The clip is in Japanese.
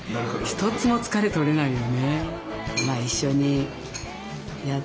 一つも疲れ取れないよね。